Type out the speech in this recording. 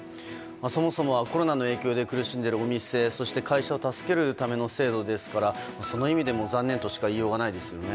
そもそもはコロナの影響で苦しんでいるお店そして会社を助けるための制度ですからその意味でも残念としか言いようがないですよね。